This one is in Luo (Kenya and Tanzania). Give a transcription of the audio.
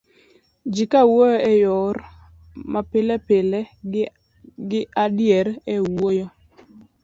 ji kawuoyo e yor mapilepile, ging'adre e wuoyo